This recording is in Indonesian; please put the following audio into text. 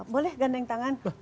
boleh gandeng tangan